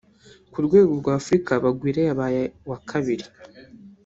Ku rwego rwa Afurika Bagwire yabaye uwa kabiri